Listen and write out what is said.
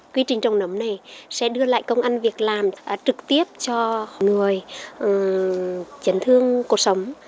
quy trình trồng nấm này sẽ đưa lại công ăn việc làm trực tiếp cho người chấn thương cuộc sống